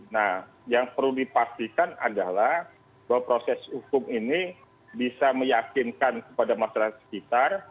nah yang perlu dipastikan adalah bahwa proses hukum ini bisa meyakinkan kepada masyarakat sekitar